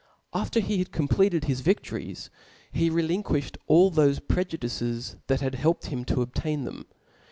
After he had completed tuneTnd his viclorifs, he relinquifhed all thofe prejudices vinut of ti,a|^ had helped him to obtain them.